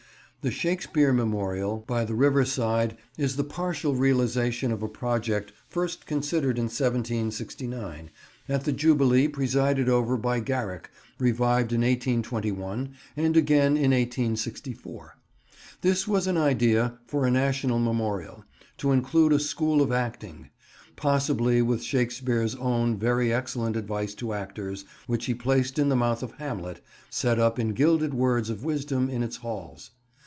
The Shakespeare Memorial by the riverside is the partial realisation of a project first considered in 1769, at the jubilee presided over by Garrick, revived in 1821 and again in 1864. This was an idea for a national memorial, to include a school of acting: possibly with Shakespeare's own very excellent advice to actors, which he placed in the mouth of Hamlet, set up in gilded words of wisdom in its halls.